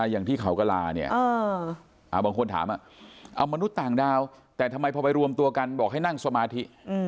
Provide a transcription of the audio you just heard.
อย่างที่เขากระลาเนี่ยบางคนถามเอามนุษย์ต่างดาวแต่ทำไมพอไปรวมตัวกันบอกให้นั่งสมาธิ